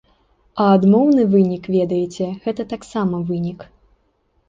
А адмоўны вынік, ведаеце, гэта таксама вынік.